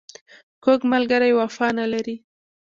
کوږ ملګری وفا نه لري